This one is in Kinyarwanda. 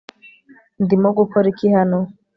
ndimo gukora iki hano